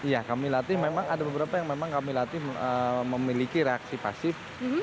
ya kami latih memang ada beberapa yang memang kami latih memiliki reaksi pasif